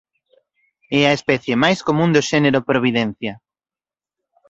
É a especie máis común do xénero "Providencia".